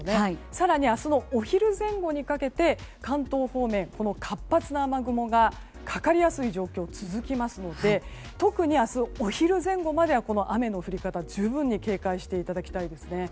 更に明日のお昼前後にかけて関東方面に活発な雨雲がかかりやすい状況が続きますので特に明日、お昼前後までは雨の降り方に十分に警戒していただきたいですね。